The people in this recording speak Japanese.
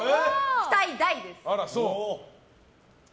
期待大です。